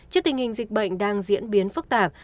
trước tình hình dịch bệnh đang diễn biến phức tạp